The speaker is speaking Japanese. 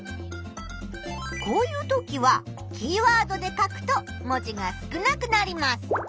こういうときはキーワードで書くと文字が少なくなります。